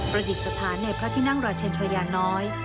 ประดิษฐานในพระที่นั่งราชินทรยาน้อย